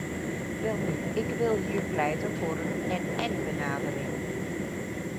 Welnu, ik wil hier pleiten voor een én-én-benadering.